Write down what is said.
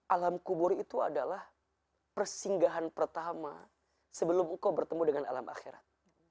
alam kubur itu adalah persinggahan pertama sebelum engkau bertemu dengan alam akhirat